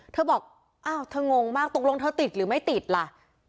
เธอบอกอ้าวเธองงมากตกลงเธอติดหรือไม่ติดล่ะ